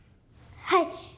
はい！